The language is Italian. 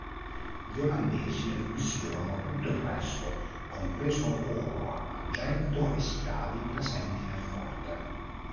Gli olandesi requisirono tutto il resto, compreso oro, argento e schiavi presenti nel forte.